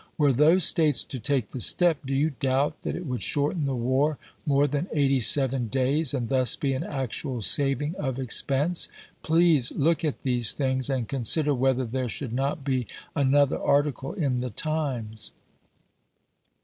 Were those States to take the step, do you doubt that it would shorten the war more than eighty seven days, LiiKoin to and thus be an actual saving of expense ? Please look at 'March"*!' these tliiugs, and consider whether there should not be 1862. MS. another article in the " Times."